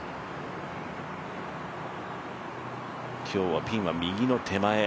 今日はピンは右の手前